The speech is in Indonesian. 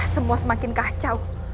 semua semakin kacau